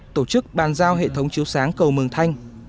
tổ chức bàn giao hệ thống chiếu sáng cầu mường thanh